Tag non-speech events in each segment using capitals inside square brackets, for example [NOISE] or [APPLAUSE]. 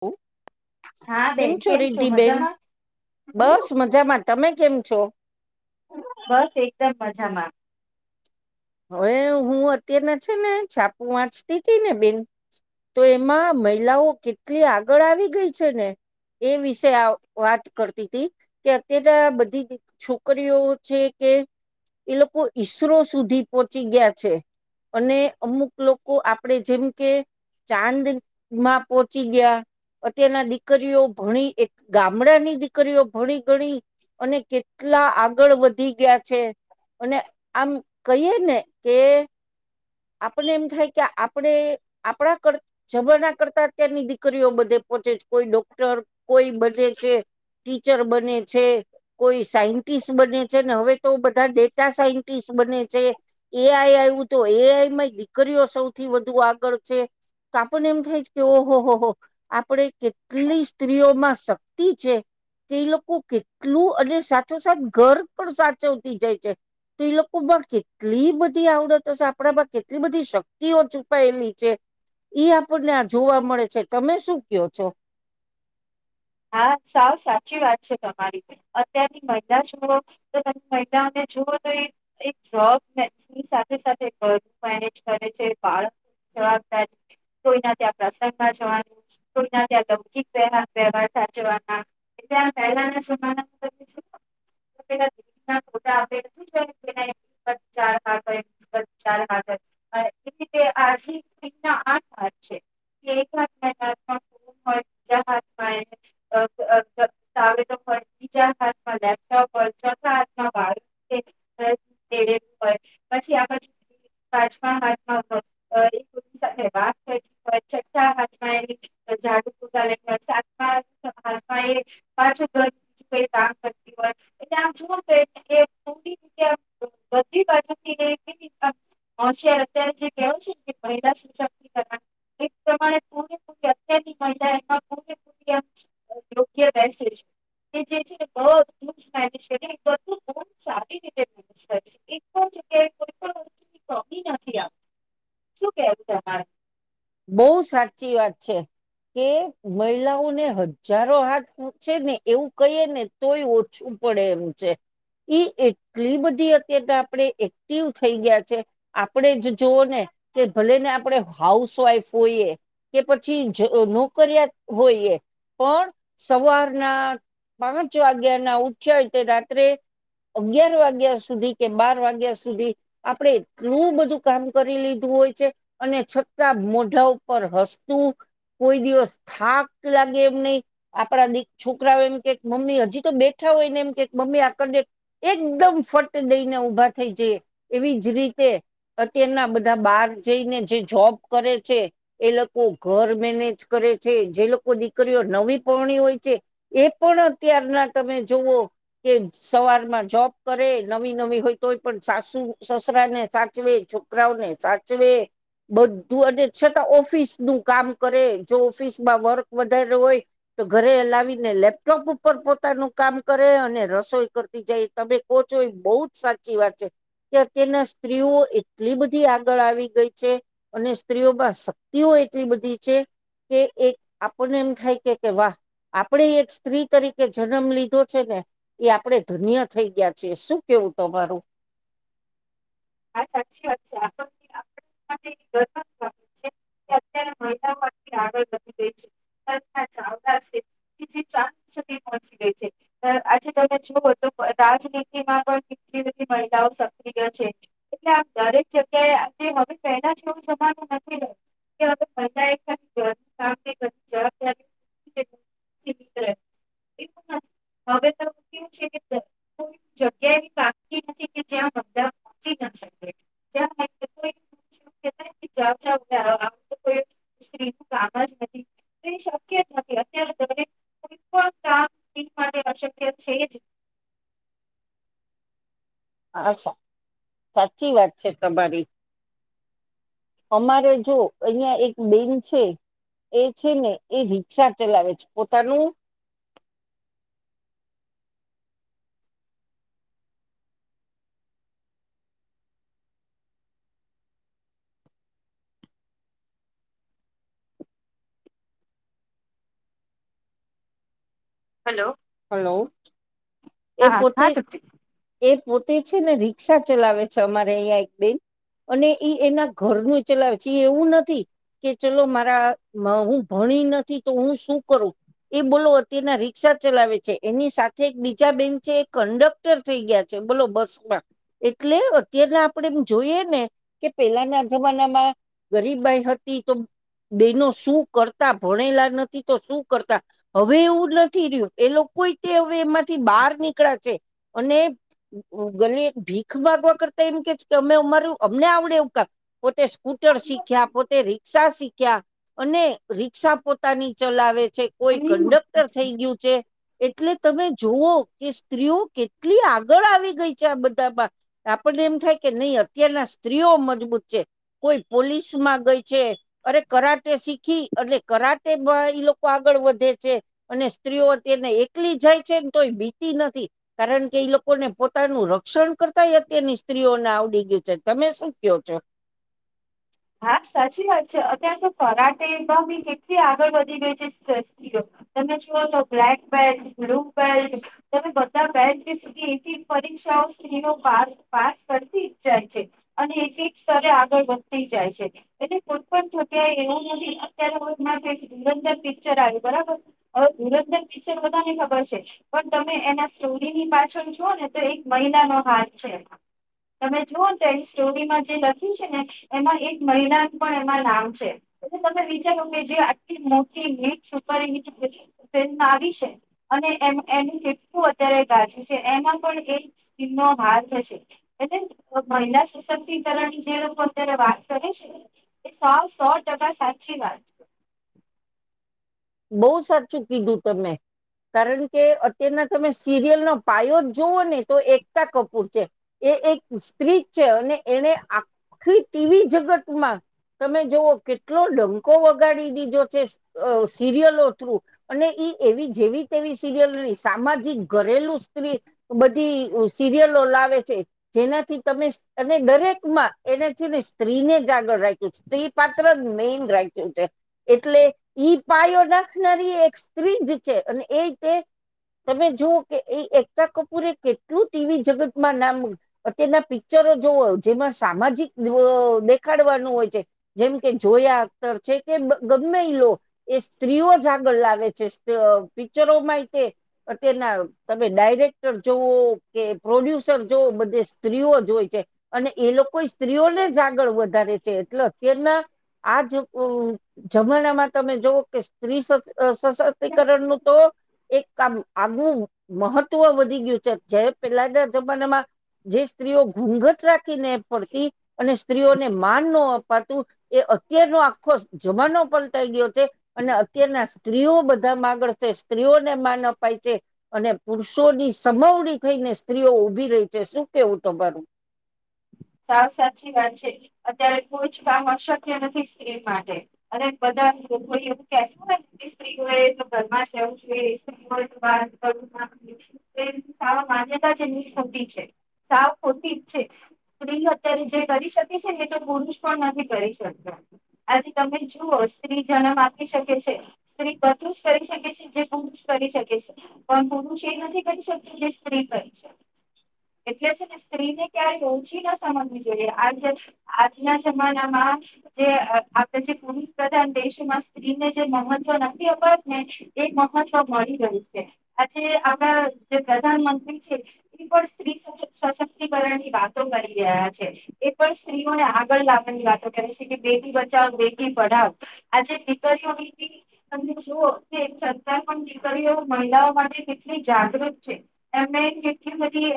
હમ હા કેમ બેન છો રિધિબેન મજામાં બસ મજામાં તમે કેમ છો? બસ એકદમ મજામાં હવે હું અત્યારના છે ને છાપુ વાંચતી હતી ને બેન તો એમાં મહિલાઓ કેટલી આગળ આવી ગઈ છે ને એ વિશે વાત કરતી હતી કે અત્યારે બધી છોકરીઓ છે કે એ લોકો ઈસરો સુધી પહોચી ગયા છે અને અમુક લોકો આપડે જેમ કે ચાંદ માં પોહોંચી ગયા અત્યારના દીકરીઓ ભણી એક ગામડાની દીકરીઓ ભણી ગણી અને કેટલા આગળ વધી ગયા છે અને આમ કહીએ ને કે આપને એમ થાય કે આપણે આપણા કરતા જમાના કરતા અત્યારની દીકરીઓ બધે પોહોંચે છે કોઈ ડોક્ટર કોઈ બધે છે ટીચર બને છે કોઈ સાયન્ટિસ્ટ બને છે ને હવે તો બધા ડેટા સાયન્ટિસ્ટ બને છે એઆઈ આવ્યું તો એઆઈ દરીઓ સૌથી વધુ આગળ છે તો આપને એમ થાય છે કે ઓહો હો હો આપડે કેટલી સ્ત્રીઓમાં શક્તિ છે કે એ લોકો કેટલું અને સાથોસાથ ઘર પણ સાચવતી જાય છે તો એ લોકોમાં કેટલી બધી આવડતો છે આપણામાં એટલી બધી શક્તિઓ છુપાયેલી છે ઈ આપણને આ જોવા મળે છે તમે શું કયો છો. હા સાવ સાચી વાત છે તમારી અત્યારની મહિલા જુઓ તો તમે મહિલાઓને જુઓ તો એક જોબની સાથે સાથે ઘર મેનેજ કરે છે બાળક જવાબદારી કોઈના ત્યાં પ્રસંગમાં જવાનું કોઈના ત્યાં લૌકિક વ વવહાર પહેલાના જના તમેુનાોટા ચ હોય ચાથ આ આઠાથ છે એક હાથ હો બીજા હાથમાં લેપટોપ હોય ચોથા હાથમાં વાળું હોય પછી આ પાંચમા હાથમાં વાત કર હોયા હાથમાં ડ હો સાત. પાછું બજું કોઈ કામ કરતી હોય એટલે આમ જોુવું તો એ પૂરી રીતે બધી બાજુથી એવી રીચ અત્યારે જે કહેવય છે ને મહિલા સશક્તિકરણ એ પ્રમાણે પૂરેપૂરી અત્યાર મહિલા એમાં પૂરેપૂરી યોગ્યસે જે છેનેધું સારી રીતેે છે પણ જગ્યાએ કોઈ પણ વસ્તુ ટોપી નથી આપતી શું કેવું તમારે? બહુ સાચી વાત છે કે મહિલાઓને હજારો હાથ છેે ને એવું કહીએ ને તોય ઓછું પડે એમ છે ઈ એટલી બધી અત તો આપણે એક્ટિવ થઈ ગયા છે આપણે જ જોવઓ ને કે ભલે ને આપણે હાઉસ વાઈફ હોઈએ કે પછી નોકરિયા હોઈએ પણ સવારના પાંચ વાગ્યા ના ઉઠ્યા તે રાત્રે અગિયાર વાગ્યા સુધી કે બાર વાગ્યા સુધી આપણેે એટલું બધું કામ કરી લીધું હોય છે અને ઢા ઉપર હસતું કોઈ દિવસ થાક લાગે એમ નહી આપડા દક છોકરાઓ એમ કેક મમ્મી હજી તો બેઠા હોયને એમ કે મમ્મી આને એકદમ ફટ દઈને ઉભા થઈ જાય એવી જ રીતે અત્યારના બધા બાર જઈને જે જોબ કરે છે એ લોકો ઘર મેનેજ કરે છે જે લોકો દીકરીઓ નવી પણી હોય છે એ પણ અત્યારના તમે જોવઓ કે સવારમાં જોબ કરે નવી નવી હોય તોય પણ સાસુ સસરા ને સાચવે છોકરાઓને સાચવે બ તું અને છતાં ઓફિસ નું કામ કરે જો ઓફિસમાં વર્ક વધારે હોય તો ઘરે લાવીને લેપટોપ ઉપર પોતાનું કામ કરે અને રસોઈ કરતી જાય તમે કહો છો એ બહુ જ સાચી વાત છે કે અ તેના સ્ત્રીઓ એટલી બધી આગળ આવી ગઈ છે. અને સ્ત્રીઓમાં શક્તિઓ એટલી બધી છે કે એક આપણને એમ થાય કે કે વાહ આપડે એક સ્ત્રી તરીકે જન્મ લીધો છે ને એ આપડે ધન્ય થઈ ગયા છે. શું કેવું તમારું? હા સાચી વાત છે આપ ગર્ત છે કે અત્યારે મહિલાઓથી આગળ વધી ગઈ છે [INAUDIBLE] સુધી પહોંચી ગઈ છે. આજે તમે જુઓ તો રાજનીતિમાં પણ કેટલી બધી મહિલાઓ સક્રિય છે. એટલે આ દરેક જગ્યાએ આજે હવે પહેલા એવું જમાનું નથી રહ્યું કે [INAUDIBLE] જવાબદારી એવું હવે કેવું છે કે કો [INAUDIBLE] જગ્યા એ નથી કે જ્યાં [INAUDIBLE] શકે ચ ચ તોઈ સ્ત્રીનું કામ જ નથી તે શક્ય નથી અત્યારે દરેક કોઈ પણ કામ માટે અશક્ય છે જ હા સા સાચી વાત છે. તમારી અમારે જો અહિયાં એક બેન છે એ છે ને એ રિક્ષા ચલાવે છે પોતાનું હલો હલો એ હા હા પોતે તૃપ્તિ એ પોતે છે ને રિક્ષા ચલાવે છે અમારે અહીં એક બેન અનેઈ એના ઘરનું ચલાવે છે એ એવું નથી કે ચલો મારા હું ભણી નથી તો હું શું કરું એ બોલો અત્યારના રી્ષા ચલાવે છે એની સાથે એક બીજા બેન છે કન્ડક્ટર થઈ ગયા છે બોલો બસ માં. એટલે અત્યારના આપણે એમ જોઈએ ને કે પેલાના જમાનામાં ગરીબ ભાઈ હતી તો બેનો શું કરતા ભણેલા નથી તો શું કરતા હવે એવું નથી રહ્યું એ લોકો તે હવે એમાંથી બહાર નીકળ્યા છે. અને ગુ ગલી ભીખ માગવા કરતા એમ કે છે કે અમે અમારું અમને આવડે એવું ક પોતે સ્કૂટર શીખ્યા પોતે રિક્ષા શીખ્યા અને રિક્ષા પોતાની ચલાવે છે કોઈ કંડક્ટર હ થઈ ગયું છે. એટલે તમે જુઓ, કે સ્ત્રીઓ કે ટલી આગળ આવી ગઈ છે આ બધામાં. આપણને એમ થાય કે નહી અત્યારના સ્ત્રીઓ મજબૂત છે. કોઈ પોલીસ માં ગઈ છે. અરે કરાટે શીખી અને કરાટે માં ઈ લોકો આગળ વધે છે. અને સ્ત્રીઓ તેને એકલી જાય છે ને તોય બીતી નથી. કારણ કે ઈ લોકોને પોતાનું રક્ષણ કર તઈ અત્યાર ની સ્ત્રીઓને આવડી વી છે. તમે શું કયો છો? હા, સાચી વાત છે. અત્યારે તો કરરાટેમાં બી કેટલી આગળ વધી ગઈ છે સ સ્ત્રીઓ તમે જુઓ તો બ્લેક બેલ્ટ બ્લુ બેલ્ટ તમે બધ તા બેલ્ટ સુધી એલી પરીક્ષાઓ સ્ત્રીઓ પાસ પાસ કરતી જ જાય છે. અને એક એક સ્તરે આગળ તી જાય છે એટલે કોઈ પણ જગ્યાએ એવું નથી અત્યારે ધુરંધર પિક્ચર આવ બરાબર. હવે ધુરંધર પિક્ચર બધાને ખબર છે. પણ તમે એના સ્ટોરીની પાછળ જુઓ ને તો એક મહિલા નો હાથ છે. તમે જુઓ ને તો એની સ્ટોરીમાં જે લખ્યું છે ને એમાં એક મહિલા પણ એમાં નામ છે. એટલે તમે વિચારો કે જે આટલી મોટી હિટ સુપર હિટ ફિલ્મ આવી છે. અને એનું કેટલું અત્યારે ગાજું છે. એમાં પણ એક સ્ત્રીનો હાથ હશે એટલે મહિલા સશક્તિકરણ ની જે લોકો જ્યારે વાત કરે છે ને, એ સાવ સો ટકા સાચી વાત. બહુ સાચું કીધું તમે. કારણ કે અત્યારના તમે સિરિયલનો પાયો જ જોુઓ ને તો એકતા કપૂર છે. એ એક સ્ત્રી છે. અને એને આખી ટીવી જગતમાં તમે જુવઓ કેટલો ડંકો વગાડી દીધો છે. સિરિયલો હતો. અને એવી જેવી તેવી સિરિયલની સામાજિક ઘરેલું સ્ત્રી બધી સિરિયલો લાવે છે. જેનાથી તમે અને દરેકમાં એને છે ને સ્ત્રીને જ આગળ રાખ્યું છે. સ્ત્રી પાત્ર જ મેન રાખ્યું છે. એટલે ઈ પાયો નાખનારી એક સ્ત્રી જ છે. અને એીતે તમે જુવઓ કે એ એકતા કપૂરે એ કેટલું ટીવી જગતમાં નામ અત્યના પિક્ચરો જોવા જેમાં સામાજિક દેખાડવાનું હોય છે. જેમ કે જોયા અખતર છે કે [UNINTELLIGIBLE] એ સ્ત્રીઓ જ આગળ આવે છે. પિક્ચરો માં તે અત્યના તમે ડાયરેક્ટર જુવઓ, કે પ્રોડ્યુસર જવઓ બધે સ્ત્રીઓ જય છે. અને એ લોકો સ્ત્રીઓને જ આગળ વધારે છે. એટલે અત્યારના આજ જમ તમે જોુઓ કે, સ્ત્રી સશક્તિકરણ નું તો એક કામ આગવું. મહત્વ વધી ગયું છે. જે પેલાના જમાનામાં જે સ્ત્રીઓ ઘૂઘટ રાખીને પડતી અને સ્ત્રીઓને માન ન અપાતું, એ અત્યારનો આખો જમાનો પણ. ઈ ગયો છે. અને અત્યારના સ્ત્રીઓ બધામાં આગળ છે. સ્ત્રીઓને માન અપાય છે. અને પુરુષોની સમાવડી થઈને સ્ત્રીઓ ઉઊભી રહી છે. શું કેવું તમારું? સાવ સાચી વાત છે. અત્યારે કોઈ જ કામ અશક્ય નથી સ્ત્રી માટે. અને બધા લોકો એવું કેતું હો સ્ત્રી હોય તો ઘરમાં જ રહેવું જોઈએ. સ્ત્રી હોય વા કર સાવ માન્યતા છેની ખોટી છે. સાવ ખોટી જ છે. સ્ત્રી અત્યારે જે કરી શકે છે ને તો પુરુષ પણ નથી કરી શકતા. આજે તમે જુઓ સ્ત્રી જન્મ આપી શકે છે સ્ત્રી બધું જ કરી શકે છે. જે પુરુષ કરી શકે છે પણ પુરુષ એ નથી કરી શકતી. જે સ્ત્રી કરી શકે છે એટલે છે ને સ્ત્રીને ક્યારે હોવું. પછી ના સમજવી જોઈએ, આજે આજના જમાનામાં જે આપણે જે પુરુષ પ્રધાન દેશમાં સ્ત્રીને જે મહત્વ નથી અપત ને એ મહત્વ મળી રહય છે. આજે આપણા જે પ્રધાનમંત્રી છે, એ પણ સ્ત્રી સશક્તિકરણ ની વાત રહ છે. એ પણ સ્ત્રીઓને આગળ લાવવાની વાતો કરે છે. કે બેટી બચાવ બેટી પઢાવો. આજે દીકરીઓની તમે જુઓ કે સરકાર પણ દીકરીઓ, મહિલાઓ માટે કેટલી જાગૃત છે. એમને કેટલી બધી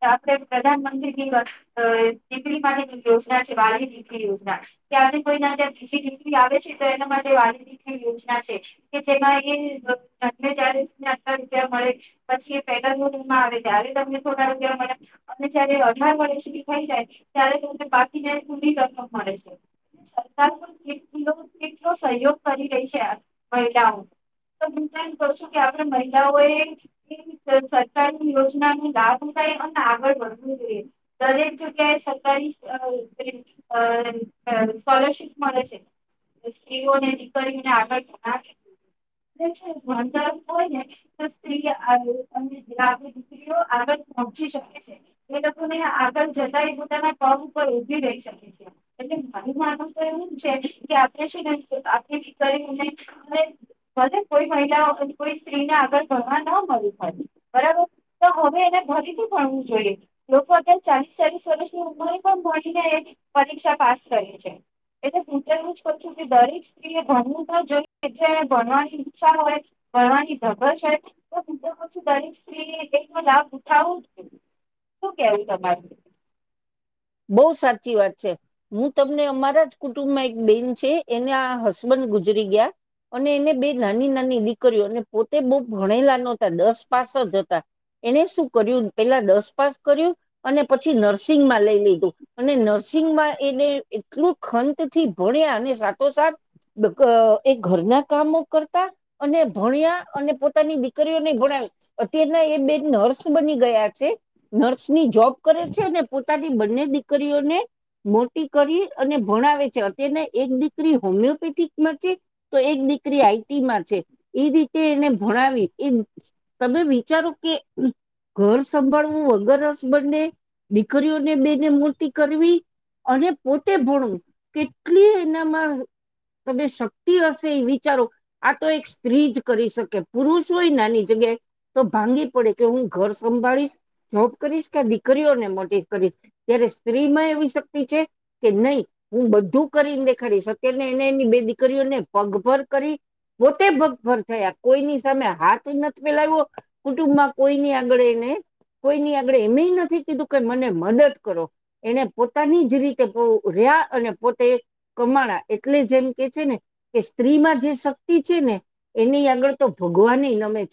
આપે પ્રધાનમંત્રી દીકરી માટેની યોજના છે. વાલી દીકરી યોજના કે આજે કોઈના બીજી દીકરી આવે છે. તો એના માટે વાલી દીકરી યોજના છે. કે જેમાં એ ઘ ત્યારે તને અગર રૂપિયા મળે પછી એ પેગલ મુમાં આવે ત્યારે તમને થોડા રૂપિયા મળે અને જયારે ત થઈ જાય ત્યારેને બાકી જને પૂરી રકમ મળે છે. સરકાર પણ કેટલો સહયોગ કરી રહી છે. મહિલાઓ તો હું તો એમ ક છું કે આપણે મહિલાઓએ સરકારની યોજના નો લાભ મળાય અને આગળ વધવું જોઈએ. દરેક જગ્યાએ સરકારી સ્કોલરશીપ મળે છે. સ્ત્રીઓને દીકરીઓને આગળ વાંધર હોય ને તો સ્ત્રી દીકરીઓ આગળ પહોચી શકે છે. આગળ જતા એ પોતાના ટગ ઉપર ઉભી રહી શકે છે. એટલે મારી માનુંસ તો એવું છે કે આપણે શુંને આપથી કરી ભ કોઈ મહિલા કોઈ સ્ત્રીને આગળ ભણવા ના મળું પડે. બરાબર તો હવે એને ભરીથી ભણવું જોઈએ. લોકો અત્યારે ચાલીસ ચાલીસ વર્ષની ઉંમરે પણ ભણીને એ પરીક્ષા પાસ કરીે છે. એટલે હું તો એવું જ ક છું કે દરેક સ્ત્રી એ ભણવું તો જોઈએ ભણવાની ઈચ્છા હોય ભણવાની ધગસ હોય તો હું તો કહ છું દરેક સ્ત્રીને એનો લાભ ઉઠાવો જ જોઈ. શું કેવું તમારી? બહુ સાચી વાત છે. હું તમને અમારા જ કુટુંબમાં એક બેન છે. એના હસબન્ડ ગુજરી ગયા. અને એને બે નાની નાની દીકરીઓ, અને પોતે બઉ ભણેલા ન હતા. દસ પાસ જ હતા. એને શું કર્યું પેલા દસ પાસ કર્યું અને પછી નર્સિંગમાં લઈ લઈ. અને નર્સિંગમાં એને એટલું ખંત થી ભણ્યા, અને સાથોસાથ એ ઘરના કામો કરતા અને ભણ્યા અને પોતાની દીકરીઓને ભણાય. અત્યારના એ બે નર્સ બની ગયા છે. નર્સની જોબ કરે છે અને પોતાથી રીઓને મોટી કરી અને ભણાવે છે. અત્યના એક દીકરી હોમિયોપેથિકમાં છે. તો એક દીકરી આઈટીમાં છે. એ રીતે એને ભણાવી. એ તમે વિચારો કે ઘર સંભાળવું વગર હસ બંને દીકરીઓને બે મોટી કરવી. અને પોતે ભણવું કેટલી એનામાં તમે શક્તિ હશે એ વિચારો આ તો એક સ્ત્રી જ કરી શકે. પુરુષ હોય નાની જગ્યાએ તો ભાંગી પડે કે, હું ઘર સંભાળીશ જોબ કરીશ કે દીકરીઓને મોટી કરીશ. ત્યારે સ્ત્રીમાં એવી શક્તિ છે, કે નહી હું બધું કરીને દેખાડીશ સત્યને એને એની બે દીકરીઓને પગભર કરી પોતે પગભર થયા કોઈની સામે હાથ નથી ફેલાવ્યો કુટુંબમાં કોઈની આગળ એને કોઈની આગળ એમ નથી કીધું કે મને મદદ. ો એને પોતાની જ રીતે રહ્યા, અને પોતે કમાડા. એટલે જેમ કે છે ને કે સ્ત્રીમાં જે શક્તિ છે ને, એની આગળ તો ભગવાન નામે છે.